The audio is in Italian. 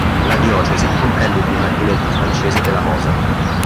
La diocesi comprende il dipartimento francese della Mosa.